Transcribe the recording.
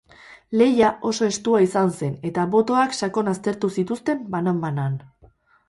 Lehia oso estua izan zen, eta botoak sakon aztertu zituzten, banan-banan.